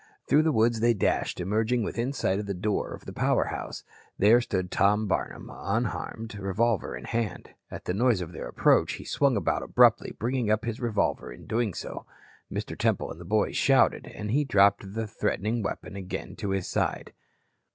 Through the woods they dashed, emerging within sight of the door of the power house. There stood Tom Barnum unharmed, revolver in hand. At the noise of their approach, he swung about abruptly, bringing up his revolver in doing so. Mr. Temple and the boys shouted, and he dropped the threatening weapon again to his side.